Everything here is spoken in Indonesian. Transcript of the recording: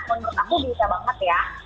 menurut aku bisa banget ya